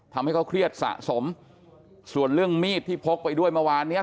ทำให้เขาเครียดสะสมส่วนเรื่องมีดที่พกไปด้วยเมื่อวานเนี้ย